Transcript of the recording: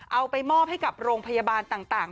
เอาไปมอบให้กับโรงพยาบาลต่าง